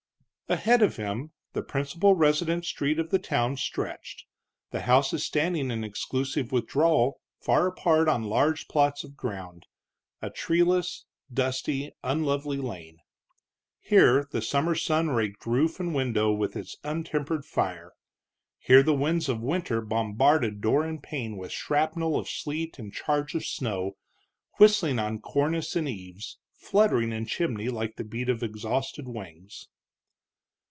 Ahead of him the principal residence street of the town stretched, the houses standing in exclusive withdrawal far apart on large plots of ground, a treeless, dusty, unlovely lane. Here the summer sun raked roof and window with its untempered fire; here the winds of winter bombarded door and pane with shrapnel of sleet and charge of snow, whistling on cornice and eaves, fluttering in chimney like the beat of exhausted wings.